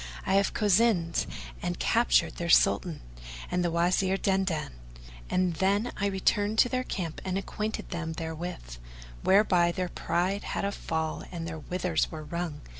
I have cozened and captured their Sultan and the Wazir Dandan; and then I returned to their camp and acquainted them therewith, whereby their pride had a fall and their withers were wrung.